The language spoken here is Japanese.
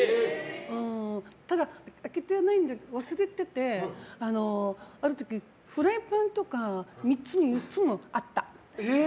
ただ、開けていないんだけど忘れててある時、フライパンとか３つも４つもあった。